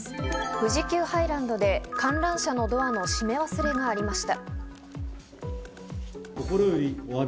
富士急ハイランドで観覧車のドアの閉め忘れがありました。